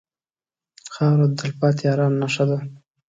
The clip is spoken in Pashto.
خاوره د تلپاتې ارام نښه ده.